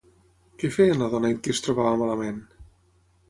Què feien la dona i el qui es trobava malament?